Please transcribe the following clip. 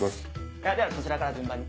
ではそちらから順番に。